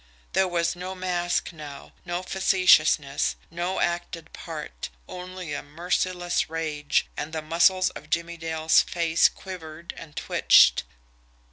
There was no mask now, no facetiousness, no acted part only a merciless rage, and the muscles of Jimmie Dale's face quivered and twitched.